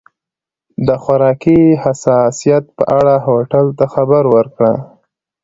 د خوراکي حساسیت په اړه هوټل ته خبر ورکړه.